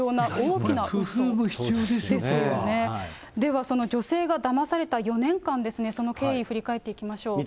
では女性がだまされた４年間ですね、その経緯、見ていきましょう。